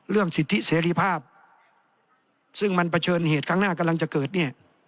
สิทธิเสรีภาพซึ่งมันเผชิญเหตุครั้งหน้ากำลังจะเกิดเนี่ย